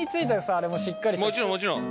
もちろんもちろん。